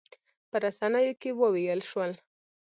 په رسنیو کې وویل شول.